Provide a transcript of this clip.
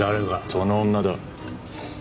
その女だ。